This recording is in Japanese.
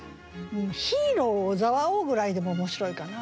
「ヒーロー小沢を」ぐらいでも面白いかな。